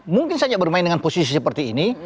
mungkin saja bermain dengan posisi seperti ini